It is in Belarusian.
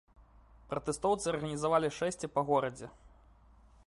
Пратэстоўцы арганізавалі шэсце па горадзе.